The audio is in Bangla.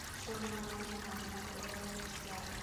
সোনা, মনে হয় না ওরা ইংরেজি জানে!